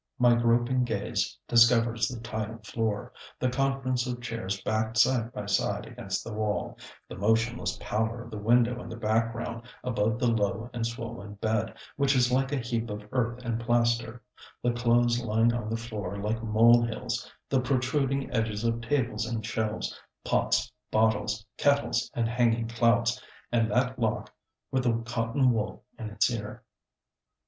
My groping gaze discovers the tiled floor, the conference of chairs backed side by side against the wall, the motionless pallor of the window in the background above the low and swollen bed, which is like a heap of earth and plaster, the clothes lying on the floor like mole hills, the protruding edges of tables and shelves, pots, bottles, kettles and hanging clouts, and that lock with the cotton wool in its ear.